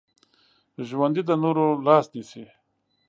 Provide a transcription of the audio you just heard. ژوندي د نورو لاس نیسي